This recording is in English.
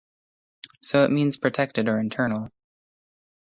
So, it means protected or internal.